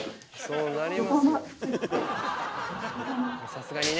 さすがにね！